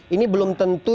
ini belum tentu juga